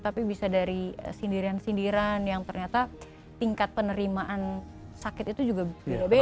tapi bisa dari sindiran sindiran yang ternyata tingkat penerimaan sakit itu juga beda beda